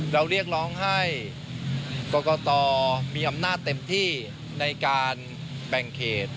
เรียกร้องให้กรกตมีอำนาจเต็มที่ในการแบ่งเขต